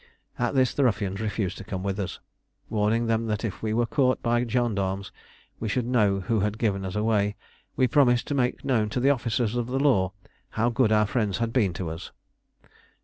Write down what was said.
At this the ruffians refused to come with us. Warning them that if we were caught by gendarmes we should know who had given us away, we promised to make known to the officers of the law how good our friends had been to us.